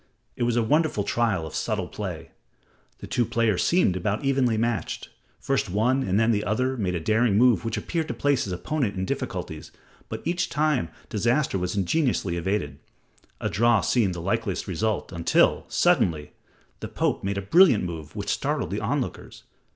It was a wonderful trial of subtle play. The two players seemed about evenly matched. First one and then the other made a daring move which appeared to place his opponent in difficulties, but each time disaster was ingeniously evaded. A draw seemed the likeliest result until, suddenly, the Pope made a brilliant move which startled the onlookers.